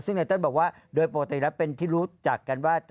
ซึ่งไอเติ้ลบอกว่าโดยปกติแล้วเป็นที่รู้จักกันว่า